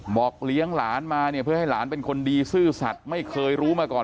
เลี้ยงหลานมาเนี่ยเพื่อให้หลานเป็นคนดีซื่อสัตว์ไม่เคยรู้มาก่อน